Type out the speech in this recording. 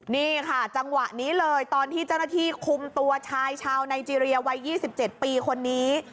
นี่ค่ะจังหวะนี้เลยตอนที่เจ้าหน้าที่คุมตัวชายชาวไนเจรียวัย๒๗ปีคนนี้